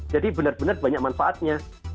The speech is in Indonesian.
jadi benar benar banyak manfaatnya